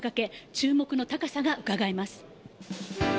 注目の高さがうかがえます。